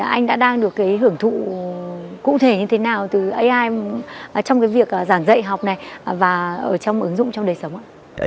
anh đã đang được cái hưởng thụ cụ thể như thế nào từ ai trong cái việc giảng dạy học này và ở trong ứng dụng trong đời sống ạ